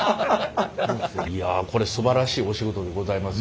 いやこれすばらしいお仕事でございます。